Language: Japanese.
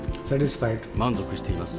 満足しています。